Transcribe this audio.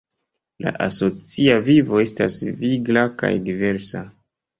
La asocia vivo estas vigla kaj diversa.